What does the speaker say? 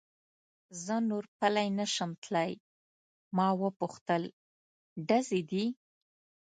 زه نور پلی نه شم تلای، ما و پوښتل: ډزې دي؟